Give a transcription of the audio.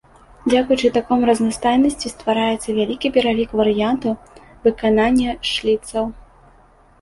Дзякуючы такому разнастайнасці ствараецца вялікі пералік варыянтаў выканання шліцаў.